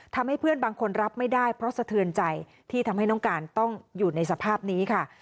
ทำให้เพื่อนบางคนรับไม่ได้เพราะสะเทือนใจที่ทำให้น้องการต้องอยู่ในสภาพนี้ค่ะ